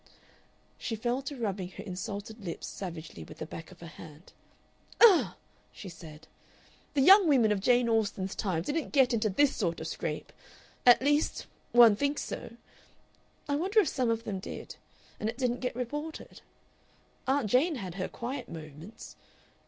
She fell to rubbing her insulted lips savagely with the back of her hand. "Ugh!" she said. "The young women of Jane Austen's time didn't get into this sort of scrape! At least one thinks so.... I wonder if some of them did and it didn't get reported. Aunt Jane had her quiet moments.